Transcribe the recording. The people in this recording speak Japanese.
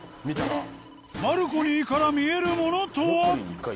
バルコニーから見えるものとは？